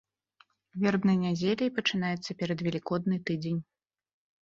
Вербнай нядзеляй пачынаецца перадвелікодны тыдзень.